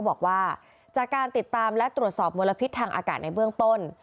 บอกว่าจากการติดตามและตรวจสอบมลพิษทางอากาศในเบื้องต้น